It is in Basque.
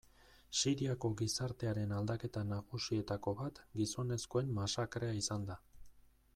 Siriako gizartearen aldaketa nagusietako bat gizonezkoen masakrea izan da.